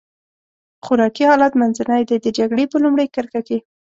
خوراکي حالت منځنی دی، د جګړې په لومړۍ کرښه کې.